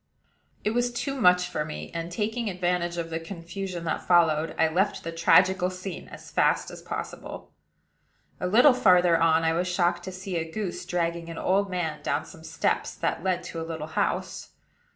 It was too much for me; and, taking advantage of the confusion that followed, I left the tragical scene as fast as possible. A little farther on, I was shocked to see a goose dragging an old man down some steps that led to a little house.